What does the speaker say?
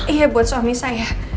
iya buat suami saya